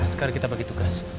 sekar kita bagi tugas